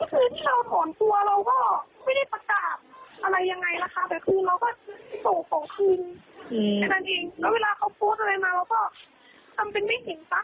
แต่คือเราก็สูงของคืนแค่นั้นเองก็เวลาเขาโพสต์อะไรมาเราก็ทำเป็นไม่เห็นป่ะ